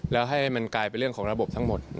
แล้วให้มันกลายเป็นเรื่องของระบบทั้งหมด